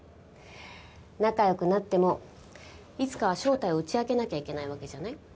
仲良くなってもいつかは正体を打ち明けなきゃいけないわけじゃない？